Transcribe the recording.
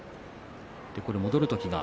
戻るときが。